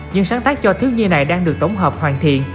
nhưng sáng tác cho thứ như này đang được tổng hợp hoàn thiện